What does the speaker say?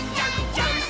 ジャンプ！！」